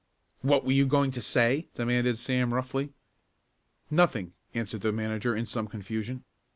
"What were you going to say?" demanded Sam roughly. "Nothing," answered the manager in some confusion.